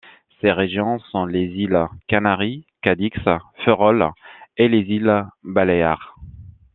Ces régions sont les îles Canaries, Cadix, Ferrol et les îles Baléares.